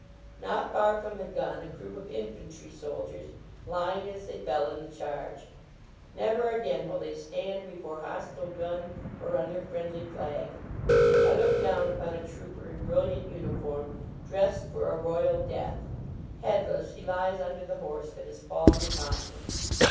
Not far from the gun, a group of infantry soldiers, lying as they fell iii the charge. Never again will they stand before hostile gun or under friendly flag. I look down upon a trooper in brilliant uniform, dressed for a royal death headless he lies under the horse that has fallen upon him.